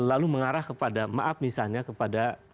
lalu mengarah kepada maaf misalnya kepada